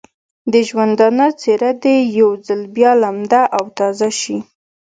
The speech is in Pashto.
د ژوندانه څېره دې یو ځل بیا لمده او تازه شي.